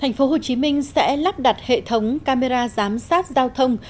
tp hcm sẽ lắp đặt hệ thống camera giám sát giao thông